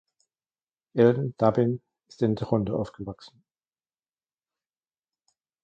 Ellen Dubin ist in Toronto aufgewachsen.